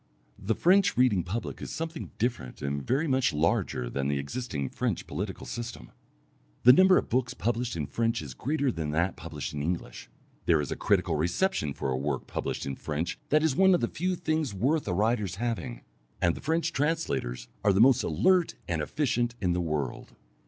The French reading public is something different and very much larger than the existing French political system. The number of books published in French is greater than that published in English; there is a critical reception for a work published in French that is one of the few things worth a writer's having, and the French translators are the most alert and efficient in the world.